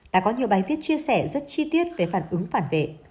đã có nhiều bài viết chia sẻ rất chi tiết về phản ứng phản vệ